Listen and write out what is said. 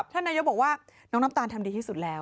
ท่านนายกบอกว่าน้องน้ำตาลทำดีที่สุดแล้ว